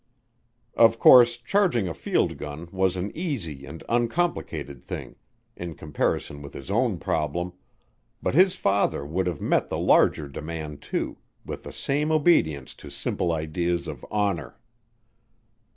Of course, charging a field gun was an easy and uncomplicated thing in comparison with his own problem, but his father would have met the larger demand, too, with the same obedience to simple ideas of honor.